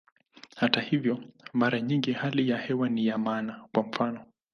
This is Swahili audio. Hata hivyo, mara nyingi hali ya hewa ni ya maana, kwa mfano.